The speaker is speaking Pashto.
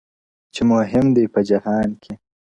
چي مهم دی په جهان کي-